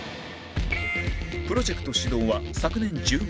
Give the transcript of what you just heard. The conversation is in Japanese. プロジェクト始動は昨年１０月